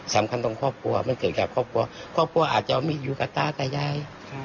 สำคัญตรงครอบครัวมันเกิดกับครอบครัวครอบครัวอาจจะมีอยู่กับตากับยาย